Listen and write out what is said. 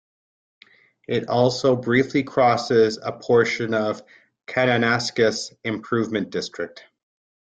It also briefly crosses a portion of Kananaskis Improvement District.